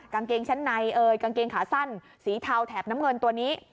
กางเกงชั้นในเอยกางเกงขาสั้นสีเทาแถบน้ำเงินตัวนี้